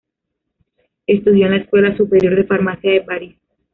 Estudió en la "Escuela Superior de Farmacia de París".